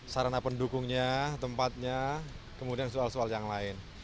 sarana pendukungnya tempatnya kemudian soal soal yang lain